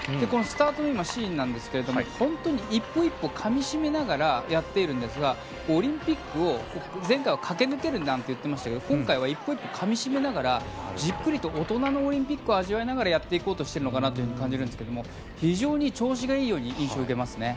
このスタートシーンなんですけど本当に１歩１歩かみしめながらやっているんですがオリンピックを前回は駆け抜けるなんて言っていましたけど今回は１個１個かみしめながらじっくりと大人のオリンピックを味わいながらやっていこうとしているのかなと感じるんですが非常に調子がいいと感じます。